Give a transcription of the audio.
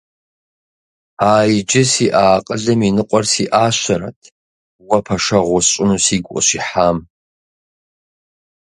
А иджы сиӏэ акъылым и ныкъуэр сиӏащэрэт уэ пэшэгъу усщӏыну сигу къыщихьам.